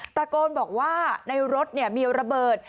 ตะโกนบอกว่าในรถมีระเบิด